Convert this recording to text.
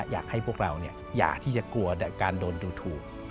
อยากให้พวกเราอย่าที่จะกลัวแต่การโดนดูถูก